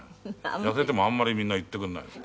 痩せてもあんまりみんな言ってくんないですね。